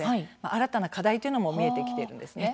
新たな課題というのも見えてきているんですね。